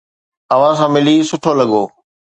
اوھان سان ملي سٺو لڳو